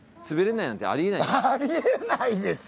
あり得ないですよ！